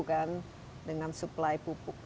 kan dengan supply pupuk